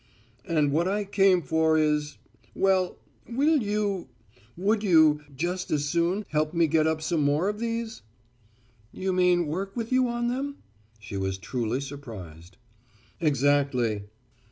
"And what I came for is well, will you would you just as soon help me get up some more of these?" "You mean work with you on them?" She was truly surprised. "Exactly."